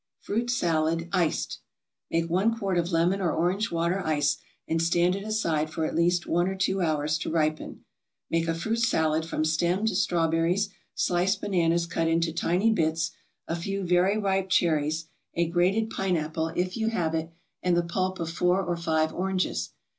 FRUIT SALAD, ICED Make one quart of lemon or orange water ice and stand it aside for at least one or two hours to ripen. Make a fruit salad from stemmed strawberries, sliced bananas cut into tiny bits, a few very ripe cherries, a grated pineapple if you have it, and the pulp of four or five oranges.